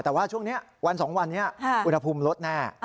แต่ว่าช่วงนี้วัน๒วันนี้อุณหภูมิลดแน่